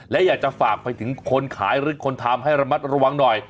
และอยากจะฝากไปถึงคนขายหรือคนทำให้ระมัดระวังหน่อย